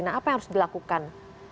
nah apa yang harus dilakukan